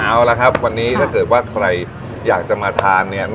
เอาละครับวันนี้ถ้าเกิดว่าใครอยากจะมาทานเนี่ย